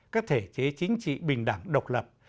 các thể chế chính trị bình đẳng độc lập